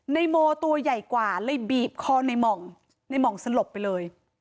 ในโมตัวใหญ่กว่าเลยบีบคอในหม่องในหม่องสลบไปเลย